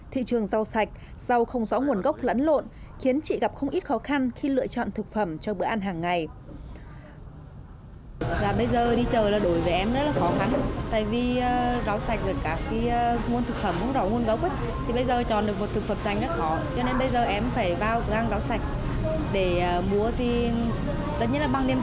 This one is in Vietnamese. thị trường rau sạch rau không rõ nguồn gốc lẫn lộn khiến chị gặp không ít khó khăn khi lựa chọn thực phẩm cho bữa ăn hàng ngày